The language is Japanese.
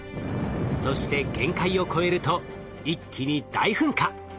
そして限界を超えると一気に大噴火。